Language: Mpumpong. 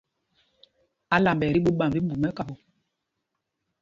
Álamba ɛ́ tí ɓuu ɓamb tí mbu mɛ́kapo.